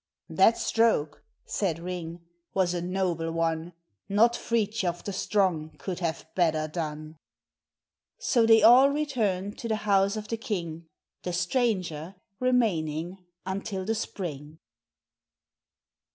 "That stroke," said Ring, "was a noble one, Not Fridthjof, the strong, could have better done." So they all returned to the house of the king, The stranger remaining until the spring.